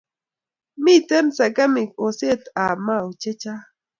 Miten sekemik oset ab mau che chang